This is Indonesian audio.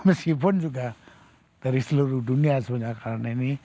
meskipun juga dari seluruh dunia sebenarnya karena ini